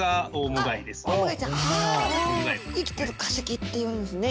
生きてる化石っていうんですね